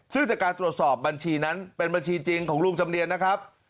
ซึ่งจากการตรวจสอบบัญชีนั้นเป็นบัญชีจริงของลุงจำเนียนนะครับ